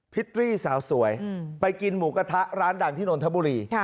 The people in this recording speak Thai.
ตรีสาวสวยไปกินหมูกระทะร้านดังที่นนทบุรี